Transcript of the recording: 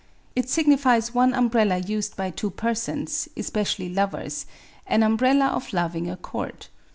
It agnifies one umbrdla used fay two persons — especially lovers t an umbrella of loying accord.